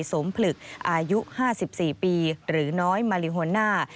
ผลึกอายุ๕๔ปีหรือน้อยมาริโฮน่า